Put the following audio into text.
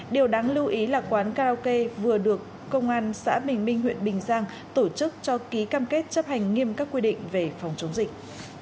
điều đáng lưu ý là quán karaoke vừa được công an xã bình minh huyện bình giang tổ chức cho ký cam kết chấp hành nghiêm các quy định về phòng chống dịch